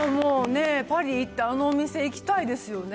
パリ行って、あのお店行きたいですよね。